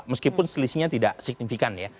meskipun selisihnya tidak signifikan ya